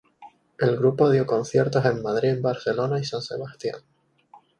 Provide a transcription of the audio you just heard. El grupo dio conciertos en Madrid, Barcelona y San Sebastián.